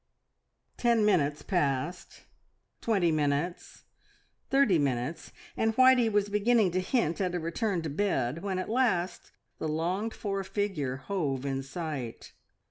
Ten minutes passed, twenty minutes, thirty minutes, and Whitey was beginning to hint at a return to bed, when at last the longed for figure hove in sight.